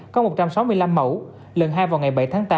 có một trăm sáu mươi năm mẫu lần hai vào ngày bảy tháng tám